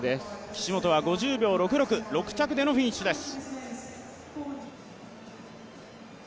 岸本は５０秒６６、６着でのフィニッシュです。